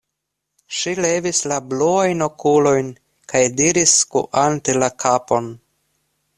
Ŝi levis la bluajn okulojn kaj diris, skuante la kapon: